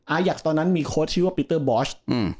อยากตอนนั้นมีโค้ชชื่อว่าปีเตอร์บอส